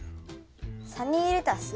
サニーレタス？